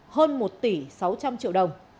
hơn một tỷ sáu trăm linh triệu đồng